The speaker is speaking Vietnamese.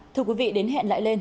thưa quý vị đến hẹn lại lên